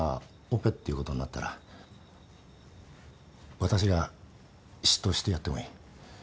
オペっていう事になったら私が執刀してやってもいい。